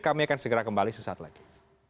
kami akan segera kembali sesaat lagi